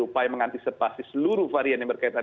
upaya mengantisipasi seluruh varian yang berkaitan